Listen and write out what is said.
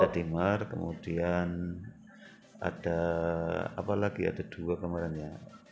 ada dimer kemudian ada apa lagi ada dua kemarin ya